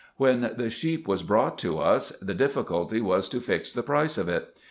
When the sheep was brought to us, the difficulty was to fix the price of it.